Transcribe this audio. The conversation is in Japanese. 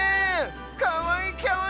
かわいいかわいい！